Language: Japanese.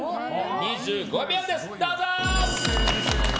２５秒です、どうぞ。